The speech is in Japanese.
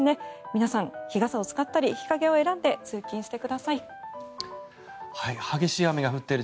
皆さん日傘を使ったり日陰を選んで通勤してください。